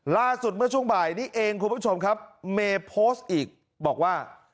ล่าสุดเมื่อช่วงบ่ายนี้เองคุณผู้ชมครับเมย์โพสต์อีกบอกว่า